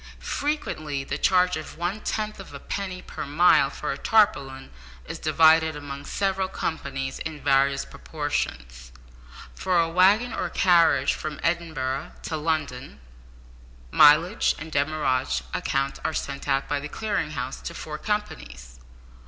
Frequently the charge of one tenth of a penny per mile for a tarpaulin is divided among several companies in various proportions. For a waggon or carriage from Edinburgh to London, mileage and demurrage accounts are sent out by the Clearing House to four companies.